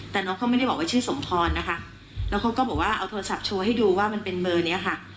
แต่น้องเขาไม่ได้บอกว่าชื่อสมพรนะคะแล้วเขาก็บอกว่าเอาโทรศัพท์โชว์ให้ดูว่ามันเป็นเบอร์เนี้ยค่ะ